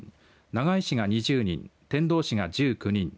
長井市が２０人天童市が１９人